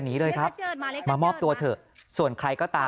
นี่โตมาแล้วมาโดนแบบนี้